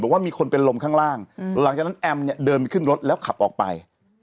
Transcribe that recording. ว่ามีคนเป็นลมข้างล่างหลังจากนั้นแอมเนี่ยเดินไปขึ้นรถแล้วขับออกไป